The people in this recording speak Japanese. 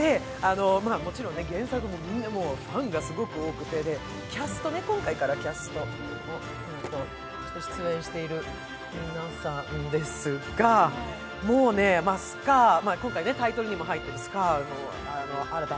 もちろん原作もみんなファンがすごく多くて、キャストが今回から出演している皆さんですが、もうね、今回タイトルにも入っているスカー、新田